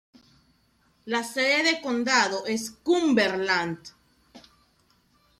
La sede de condado es Cumberland.